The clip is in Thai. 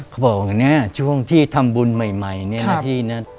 เขาบอกว่าเนี่ยช่วงที่ทำบุญใหม่เนี่ยนะพี่นะ